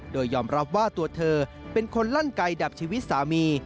โดยยอมรับว่าตัวเธอเป็นคนลั่นไกลดับชีวิตสามี